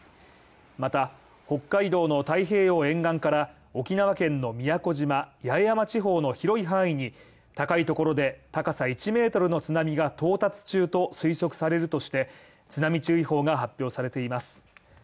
また、北海道の太平洋沿岸から、沖縄県の宮古島・八重山地方の広い範囲に高いところで、高さ１ｍの津波が到達中と推測されるとして、津波注意報が発表されています。